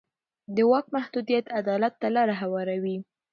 د واک محدودیت عدالت ته لاره هواروي